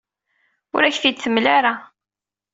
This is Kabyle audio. Ur ak-t-id-temla ara.